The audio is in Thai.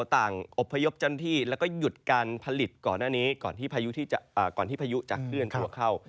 ต่างอบพยพจันที่แล้วก็หยุดการผลิตก่อนหน้านี้ก่อนที่พายุจะขึ้นตัวเข้า